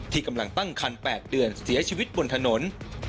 กำลังตั้งคัน๘เดือนเสียชีวิตบนถนน